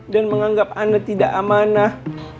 dan menganggap anda tidak amanah